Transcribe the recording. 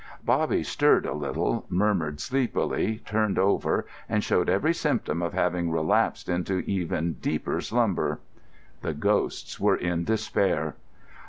Bobby stirred a little, murmured sleepily, turned over, and showed every symptom of having relapsed into even deeper slumber. The ghosts were in despair.